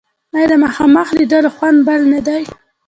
آیا د مخامخ لیدلو خوند بل نه دی؟